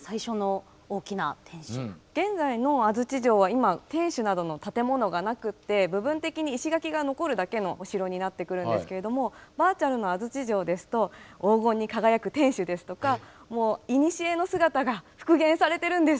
現在の安土城は今天守などの建物がなくって部分的に石垣が残るだけのお城になってくるんですけれどもバーチャルの安土城ですと黄金に輝く天守ですとかもういにしえの姿が復元されてるんです。